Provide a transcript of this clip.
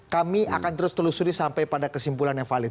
kami akan terus telusuri sampai pada kesimpulan yang valid